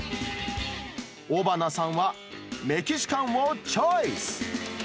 尾花さんは、メキシカンをチョイス。